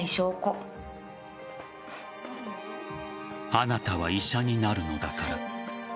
あなたは医者になるのだから。